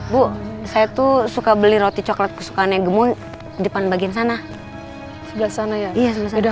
bu saya tuh suka beli roti coklat kesukaannya gemul depan bagian sana sudah sana ya iya sudah